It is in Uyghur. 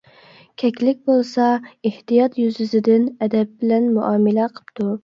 كەكلىك بولسا ئېھتىيات يۈزىسىدىن ئەدەپ بىلەن مۇئامىلە قىپتۇ.